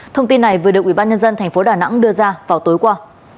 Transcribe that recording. thông tin này vừa được ubnd tp đà nẵng đưa ra vào tối qua